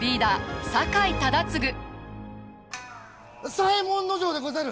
左衛門尉でござる！